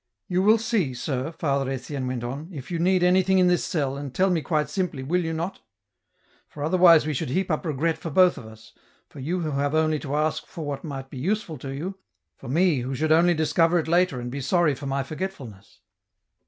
" You will see, sir," Father Etienne went on, " if you need anything in this cell, and tell me quite simply, will you not ? for otherwise we should heap up regret for both of us, for you who have only to ask for what might be useful to you, for me who should only discover it later and be sorry for my forgetfulness."